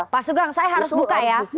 pak sugeng saya harus buka ya